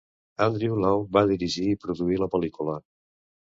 Andrew Lau va dirigir i produir la pel·lícula.